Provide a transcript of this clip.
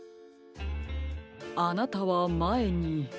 あなたはまえに。